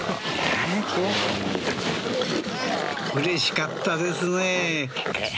うれしかったですね。